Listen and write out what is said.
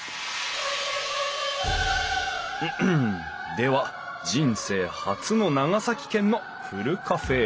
では人生初の長崎県のふるカフェへ！